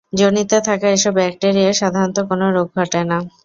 যোনিতে থাকা এসব ব্যাকটেরিয়া সাধারণত কোন রোগ ঘটায় না।